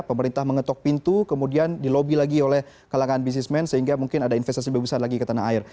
pemerintah mengetok pintu kemudian dilobi lagi oleh kalangan bisnismen sehingga mungkin ada investasi lebih besar lagi ke tanah air